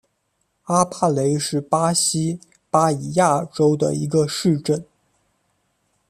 阿巴雷是巴西巴伊亚州的一个市镇。